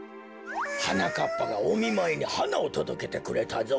はなかっぱがおみまいにはなをとどけてくれたぞ。